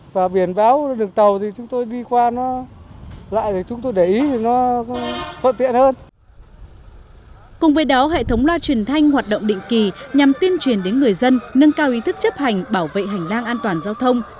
cùng với đó hệ thống loa truyền thanh hoạt động định kỳ nhằm tuyên truyền đến người dân nâng cao ý thức chấp hành bảo vệ hành lang an toàn giao thông